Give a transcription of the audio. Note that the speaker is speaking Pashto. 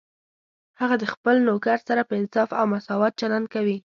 هغه د خپل نوکر سره په انصاف او مساوات چلند کوي